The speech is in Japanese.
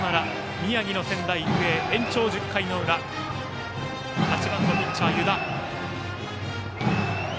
宮城の仙台育英、延長１０回の裏８番のピッチャー、湯田。